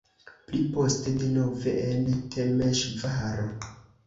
Pli poste denove en Temeŝvaro.